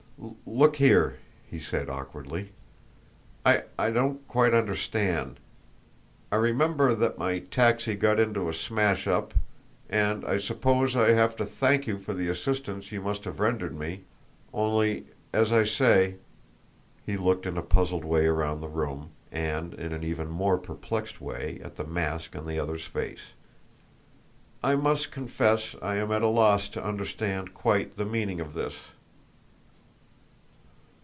"Look here!" he said awkwardly. "I I don't quite understand. I remember that my taxi got into a smash up, and I suppose I have to thank you for the assistance you must have rendered me; only, as I say" he looked in a puzzled way around the room, and in an even more perplexed way at the mask on the other's face "I must confess I am at a loss to understand quite the meaning of this."